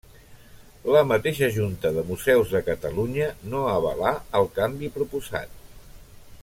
La mateixa Junta de Museus de Catalunya no avalà el canvi proposat.